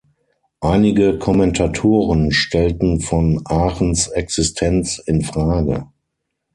Einige Kommentatoren stellten von Aachens Existenz in Frage.